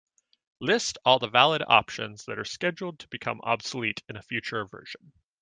List all the valid options that are scheduled to become obsolete in a future version.